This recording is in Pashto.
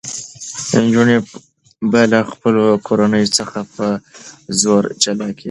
نجونې به له خپلو کورنیو څخه په زور جلا کېدې.